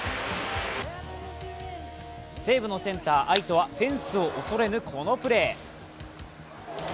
西武のセンター・愛斗はフェンスを恐れぬこのプレー。